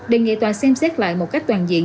đề nghị tòa xem xét lại một cách toàn diện